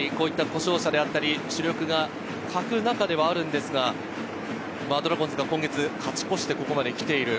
故障者であったり、主力が欠く中ではあるんですが、ドラゴンズは今シーズン勝ち越して、ここまで来ています。